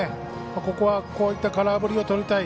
ここは、こういった空振りをとりたい。